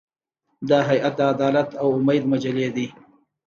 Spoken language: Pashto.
دا هیئت د عدالت او امید مجلې دی.